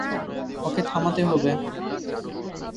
ওকে থামাতে হবে।